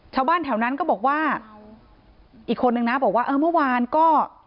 ชาวบ้านแถวนั้นก็บอกว่าอีกคนนึงนะบอกว่าเออเมื่อวานก็